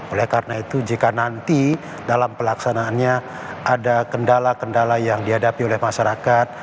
oleh karena itu jika nanti dalam pelaksanaannya ada kendala kendala yang dihadapi oleh masyarakat